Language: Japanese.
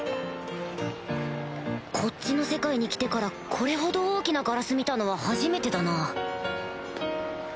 こっちの世界に来てからこれほど大きなガラス見たのは初めてだな